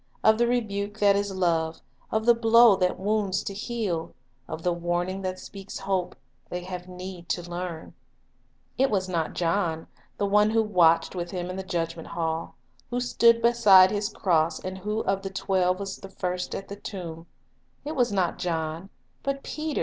Of the rebuke that is love, of the blow that wounds to heal, of the warning that speaks hope, they have need to learn. It was not John, the one who watched with Him in the judgment hall, who stood beside His cross, and who of the twelve was first at the tomb, — it was not John, but Peter